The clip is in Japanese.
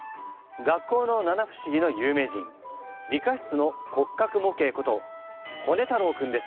学校の七不思議の有名人理科室の骨格模型ことホネ太郎君です。